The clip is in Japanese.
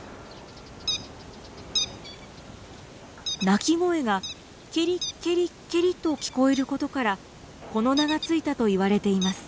鳴き声が「ケリケリケリ」と聞こえることからこの名がついたといわれています。